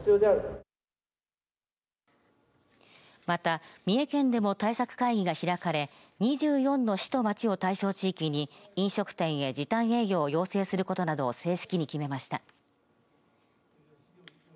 また、三重県でも対策会議が開かれ２４の市と町を対象地域に飲食店へ時短営業を要請することを正式に決めました。